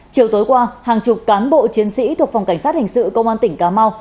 chiều tối qua hàng chục cán bộ chiến sĩ thuộc phòng cảnh sát hình sự công an tỉnh cà mau